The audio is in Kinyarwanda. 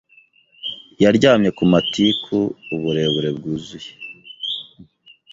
Yaryamye ku matiku uburebure bwuzuye.